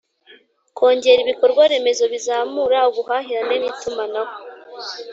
Kongera ibikorwaremezo bizamura ubuhahirane n itumanaho